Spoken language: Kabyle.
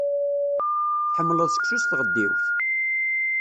Tḥemmleḍ seksu s tɣeddiwt?